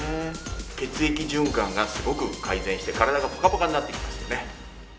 血液循環がすごく改善して体がポカポカになってきますよね